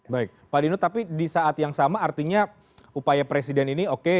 baik pak dino tapi di saat yang sama artinya upaya presiden ini oke